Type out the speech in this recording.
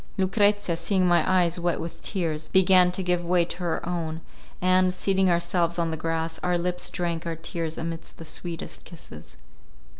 Lucrezia, seeing my eyes wet with tears, began to give way to her own, and, seating ourselves on the grass, our lips drank our tears amidst the sweetest kisses.